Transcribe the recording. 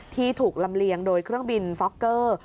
ที่ถูกลำเลียงโดยเครื่องบินฟอกเกอร์